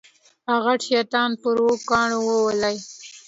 هغه غټ شیطان پر اوو کاڼو وولې.